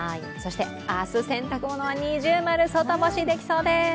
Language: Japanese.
明日、洗濯物は◎外干しできそうです。